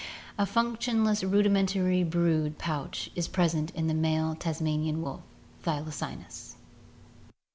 A functionless rudimentary brood pouch is present in the male Tasmanian wolf (Thylacynus).